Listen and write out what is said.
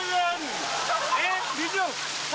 えっ？